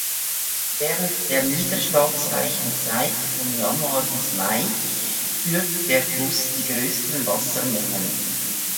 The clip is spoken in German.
Während der niederschlagsreichen Zeit von Januar bis Mai führt der Fluss die größten Wassermengen.